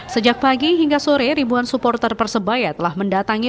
sejak pagi hingga sore ribuan supporter persebaya telah mendatangi